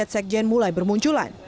sekjen mulai bermunculan